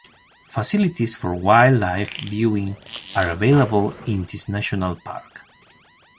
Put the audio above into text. Facilities for wild life viewing are available in this national park.